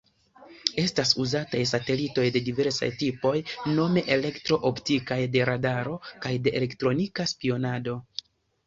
Estas uzataj satelitoj de diversaj tipoj, nome elektro-optikaj, de radaro kaj de elektronika spionado.